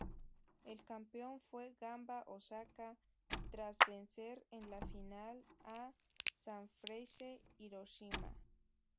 El campeón fue Gamba Osaka, tras vencer en la final a Sanfrecce Hiroshima.